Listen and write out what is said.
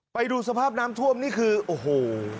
ไปดูสภาพน้ำท่วมนี่คือโอ้โห